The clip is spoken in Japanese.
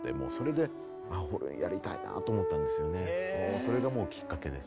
それがもうきっかけです。